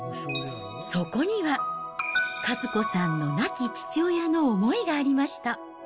そこには、和子さんの亡き父親の思いがありました。